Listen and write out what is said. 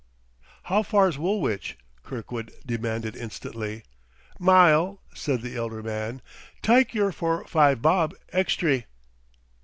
"How far's Woolwich?" Kirkwood demanded instantly. "Mile," said the elder man. "Tyke yer for five bob extry."